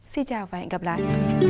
xin chào và hẹn gặp lại